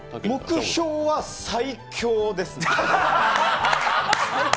目標は最強ですね。